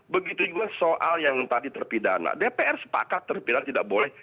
pakat terpilihan tidak boleh